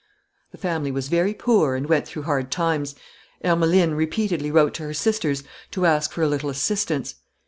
"The family was very poor and went through hard times. Ermeline repeatedly wrote to her sisters to ask for a little assistance.